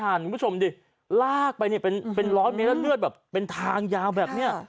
เพราะคุณผู้ชมดิลากไปเป็นร้อยเลือดเป็นทางยาวแบบเนี้ย